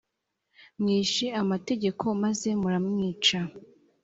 mwishe amategeko maze muramwica